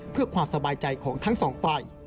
เพื่อความสบายใจของทั้งสองฝ่าย